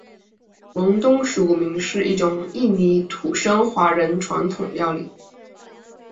隆东十五暝是一种印尼土生华人传统料理。